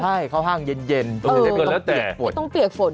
ใช่เข้าห้างเย็นไม่ต้องเปียกฝน